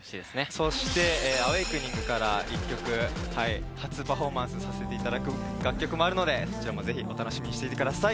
そして「Ａｗａｋｅｎｉｎｇ」から１曲初パフォーマンスさせていただく楽曲もあるのでそちらもぜひお楽しみにしていてください！